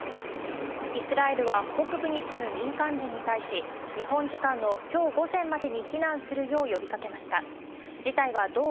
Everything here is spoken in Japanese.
イスラエルは、北部に住む民間人に対し、日本時間のきょう午前までに避難するよう呼びかけました。